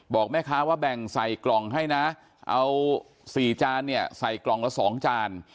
บอกแม่ค้าว่าแบ่งใส่กล่องให้นะเอา๔จานเนี่ยใส่กล่องละ๒จาน